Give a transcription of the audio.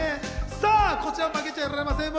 さぁ、こちらも負けてはいられません！